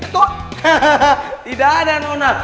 tidak ada nona